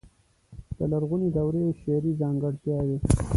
د لرغونې دورې شعري ځانګړتياوې.